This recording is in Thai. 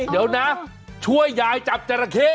เดี๋ยวนะช่วยยายจับจราเข้